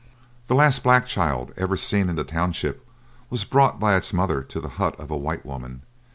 The last black child ever seen in the township was brought by its mother to the hut of a white woman.